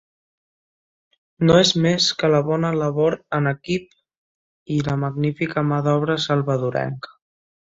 No és més que la bona labor en equip i la magnífica mà d'obra Salvadorenca.